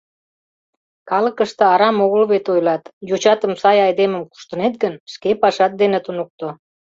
Калыкыште арам огыл вет ойлат: «Йочатым сай айдемым куштынет гын, шке пашат дене туныкто».